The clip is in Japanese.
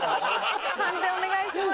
判定お願いします。